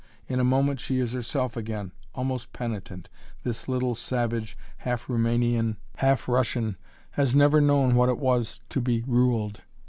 In a moment she is herself again, almost penitent; this little savage, half Roumanian, half Russian, has never known what it was to be ruled!